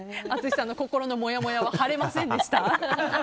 淳さんの心のもやもやは晴れませんでした。